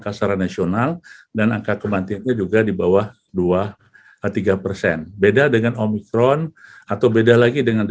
kisah kisah yang terjadi di jepang